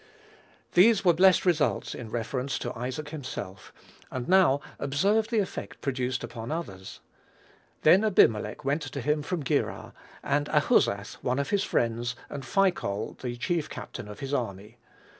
These were blessed results in reference to Isaac himself; and now observe the effect produced upon others. "Then Abimelech went to him from Gerar, and Ahuzzath, one of his friends, and Phicol the chief captain of his army.